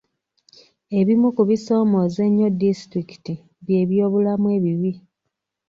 Ebimu ku bisoomooza ennyo disitulikiti bye byobulamu ebibi.